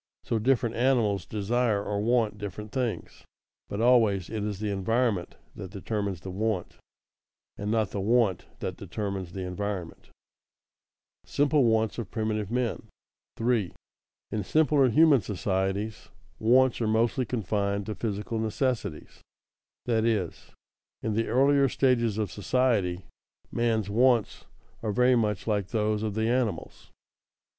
So different animals desire or want different things, but always it is the environment that determines the want, and not the want that determines the environment. [Sidenote: Simple wants of primitive men] 3. _In simpler human societies, wants are mostly confined to physical necessities; that is, in the earlier stages of society, man's wants are very much like those of the animals.